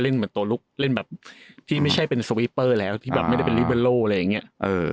สมัยนั้นนะ